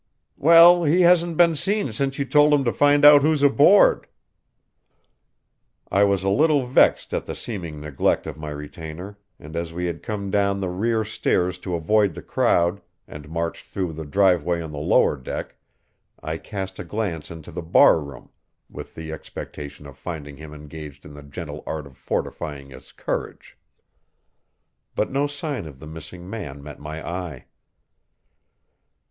"Well, he hasn't been seen since you told him to find out who's aboard." I was a little vexed at the seeming neglect of my retainer, and as we had come down the rear stairs to avoid the crowd and marched through the driveway on the lower deck, I cast a glance into the bar room with the expectation of finding him engaged in the gentle art of fortifying his courage. But no sign of the missing man met my eye.